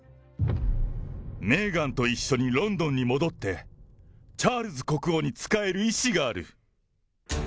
メーガンと一緒にロンドンに戻って、チャールズ国王に仕える意思がある。